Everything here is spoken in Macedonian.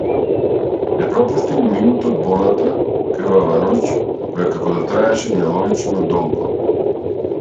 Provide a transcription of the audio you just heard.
Не пропушти ни минута од болната, крвава ноќ која како да траеше нелогично долго.